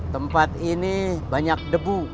tempat ini banyak debu